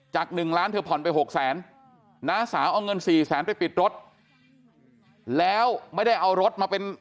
๑ล้านเธอผ่อนไปหกแสนน้าสาวเอาเงินสี่แสนไปปิดรถแล้วไม่ได้เอารถมาเป็น